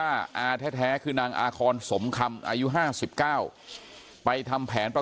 แค้นเหล็กเอาไว้บอกว่ากะจะฟาดลูกชายให้ตายเลยนะ